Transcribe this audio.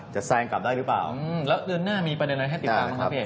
แซงกลับได้หรือเปล่าแล้วเดือนหน้ามีประเด็นอะไรให้ติดตามบ้างครับพี่เอก